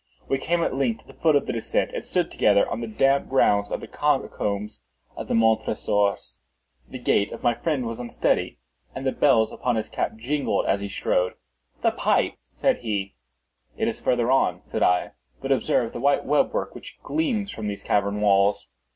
We came at length to the foot of the descent, and stood together on the damp ground of the catacombs of the Montresors. The gait of my friend was unsteady, and the bells upon his cap jingled as he strode. "The pipe," said he. "It is farther on," said I; "but observe the white web work which gleams from these cavern walls."